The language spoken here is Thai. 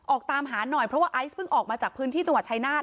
ออกตามหาหน่อยเพราะว่าไอซ์เพิ่งออกมาจากพื้นที่จังหวัดชายนาฏ